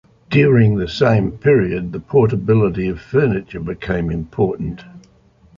During the same period the portability of furniture became important.